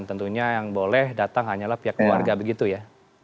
tentunya yang boleh datang hanyalah pihak keluarga begitu ya